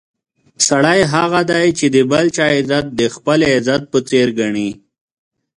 سړی هغه دی چې د بل چا عزت د خپل عزت په څېر ګڼي.